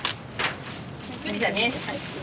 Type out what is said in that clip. びっくりだね。